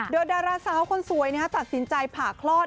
โดยดาราสาวคนสวยตัดสินใจผ่าคลอด